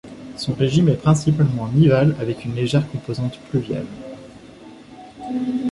Son régime est principalement nival, avec une légère composante pluviale.